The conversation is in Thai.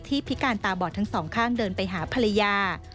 พิการตาบอดทั้งสองข้างเดินไปหาภรรยา